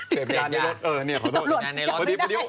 เสพยาในรถเออเนี่ยขอโทษตำรวจจับไม่ได้